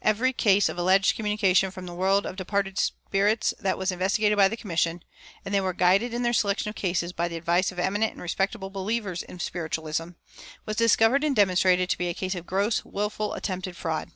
Every case of alleged communication from the world of departed spirits that was investigated by the commission (and they were guided in their selection of cases by the advice of eminent and respectable believers in spiritualism) was discovered and demonstrated to be a case of gross, willful attempted fraud.